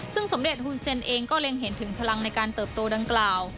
ซึ่งสมเด็จฮุนเซ็นเองก็เล็งเห็นถึงพลังในการเติบโตดังกล่าว